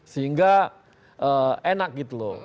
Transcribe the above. sehingga enak gitu loh